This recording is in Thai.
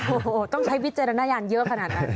โอ้โหต้องใช้วิจารณญาณเยอะขนาดนั้น